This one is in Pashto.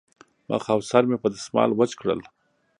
مخ او سر مې په دستمال وچ کړل.